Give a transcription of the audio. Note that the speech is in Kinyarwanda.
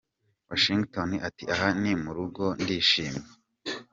Washington ati “ Aha ni mu rugo ndishimye.